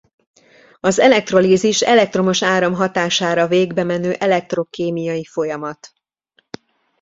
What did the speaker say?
Az elektrolízis elektromos áram hatására végbemenő elektrokémiai folyamat.